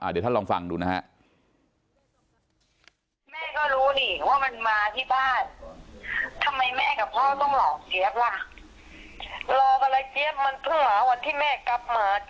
เดี๋ยวท่านลองฟังดูนะฮะ